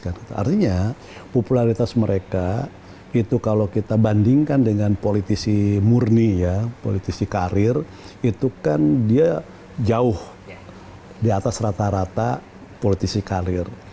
artinya popularitas mereka itu kalau kita bandingkan dengan politisi murni ya politisi karir itu kan dia jauh di atas rata rata politisi karir